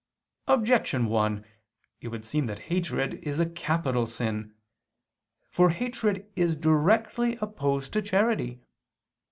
Objection 1: It would seem that hatred is a capital sin. For hatred is directly opposed to charity.